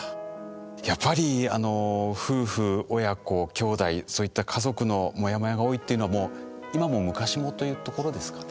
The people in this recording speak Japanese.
やっぱりあの夫婦親子きょうだいそういった家族のモヤモヤが多いっていうのはもう今も昔もというところですかね。